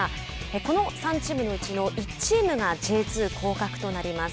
この３チームのうちの１チームがＪ２降格となります。